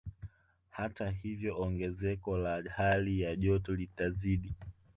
Hata hivyo ongezeko la hali joto litazidi